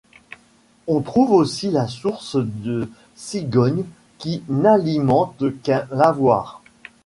On trouve aussi la source de Sigogne qui n'alimente qu'un lavoir.